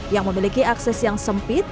yang memiliki akses yang sempit